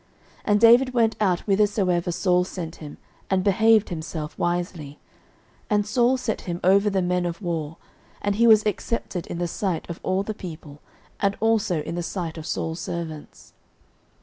09:018:005 And David went out whithersoever Saul sent him, and behaved himself wisely: and Saul set him over the men of war, and he was accepted in the sight of all the people, and also in the sight of Saul's servants.